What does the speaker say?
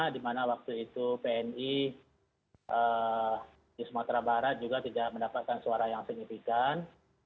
di mana waktu itu pni di sumatera barat juga tidak mendapatkan suara yang signifikan